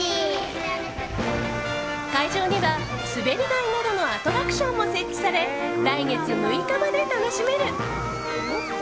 海上には滑り台などのアトラクションも設置され来月６日まで楽しめる。